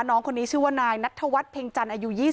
น้องคนนี้ชื่อว่านายนัทธวัฒนเพ็งจันทร์อายุ๒๐